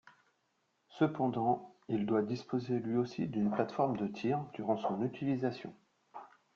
Cependant, il doit disposer lui aussi d'une plateforme de tir durant son utilisation.